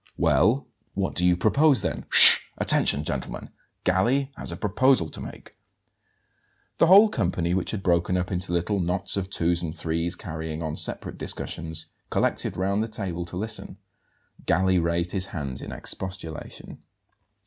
"Well, what do you propose, then? Sh! Attention, gentlemen! Galli has a proposal to make." The whole company, which had broken up into little knots of twos and threes, carrying on separate discussions, collected round the table to listen. Galli raised his hands in expostulation.